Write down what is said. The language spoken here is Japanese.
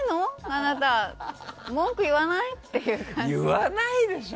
あなた文句言わない？っていう感じ。